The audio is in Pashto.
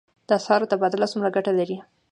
د اسعارو تبادله څومره ګټه لري؟